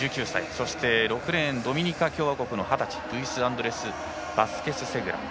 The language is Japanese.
そして、６レーンドミニカ共和国の二十歳ルイスアンドレス・バスケスセグラ。